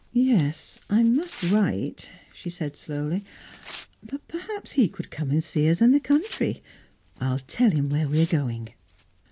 "Yes; I must write," she said slowly. "But perhaps he could come and see us in the country. I'll tell him where we are going."